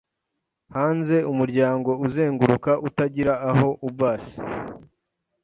hanze umuryango uzenguruka utagira aho ubas